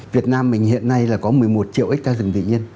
việt nam hiện nay có một mươi một triệu hectare rừng tự nhiên